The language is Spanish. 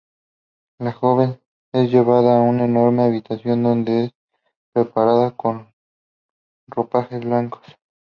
La joven es llevada a una enorme habitación donde es preparada con ropajes blancos.